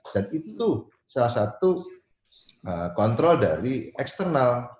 dan itu salah satu kontrol dari eksternal